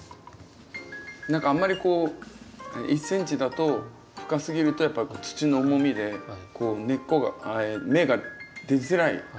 何かあんまりこう１ｃｍだと深すぎるとやっぱり土の重みでこう芽が出づらい。